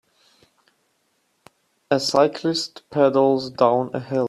A cyclist pedals down a hill.